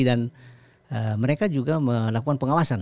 dan mereka juga melakukan pengawasan